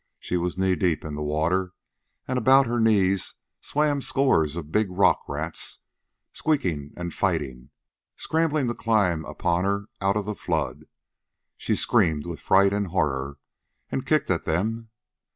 She was knee deep in the water, and about her knees swam scores of big rock rats, squeaking and fighting, scrambling to climb upon her out of the flood. She screamed with fright and horror, and kicked at them.